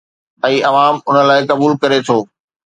۽ عوام ان لاءِ قبول ڪري ٿو